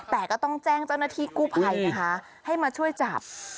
แต่ก็ต้องแจ้งเจ้านาทีกูไภใช่ไงคะให้มาช่วยจับ